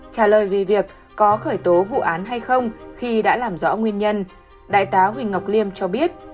trả lời về việc có khởi tố vụ án hay không khi đã làm rõ nguyên nhân đại tá huỳnh ngọc liêm cho biết